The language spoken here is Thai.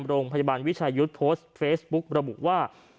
โรงพยาบาลวิชายุทธ์โพสต์เฟซบุ๊กระบุว่า